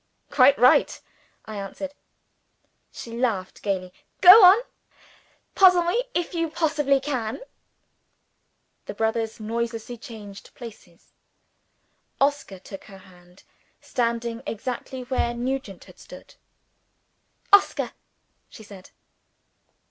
"Quite right," I answered. She laughed gaily. "Go on! Puzzle me if you possibly can." The brothers noiselessly changed places. Oscar took her hand, standing exactly where Nugent had stood. "Oscar!" she said.